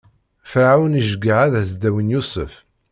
Ferɛun iceggeɛ ad as-d-awin Yusef.